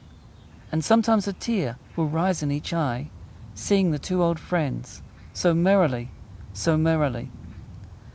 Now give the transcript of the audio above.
And sometimes a tear Will rise in each eye, Seeing the two old friends So merrily So merrily!